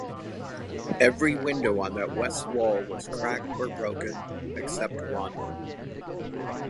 Every window on that west wall was cracked or broken except one.